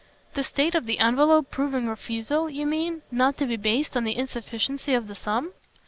"The state of the envelope proving refusal, you mean, not to be based on the insufficiency of the sum?"